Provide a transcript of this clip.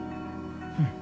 うん。